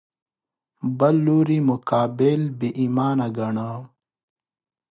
بل لوري مقابل بې ایمانه ګاڼه